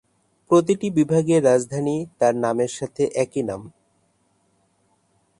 প্রতিটি বিভাগের রাজধানী তার নামের সাথে একই নাম।